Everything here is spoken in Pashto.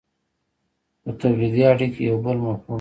خو تولیدي اړیکې یو بل مفهوم دی.